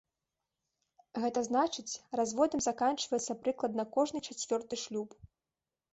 Гэта значыць, разводам заканчваецца прыкладна кожны чацвёрты шлюб.